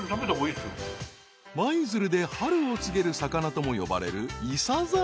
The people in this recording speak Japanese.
［舞鶴で春を告げる魚とも呼ばれるいさざ］